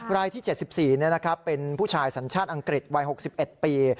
รายที่๗๔เป็นผู้ชายสัญชาติอังกฤษวัย๖๑ปี